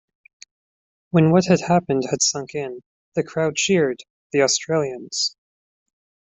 When what had happened had sunk in the crowd cheered the Australians.